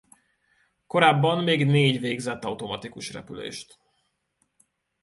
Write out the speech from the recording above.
Korábban még négy végzett automatikus repülést.